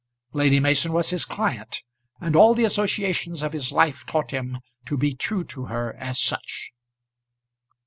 Lady Mason was his client, and all the associations of his life taught him to be true to her as such.